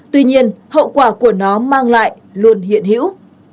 tuy nhiên hậu quả của nó mang lại luôn hiện hữu